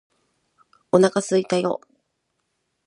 お腹すいたよ！！！！！